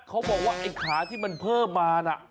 เขาบอกว่าไอ้ขาที่มันเพิ่มมาน่ะ